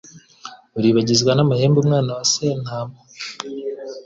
Uribagizwa n' amahembe; Umwana wa Sentama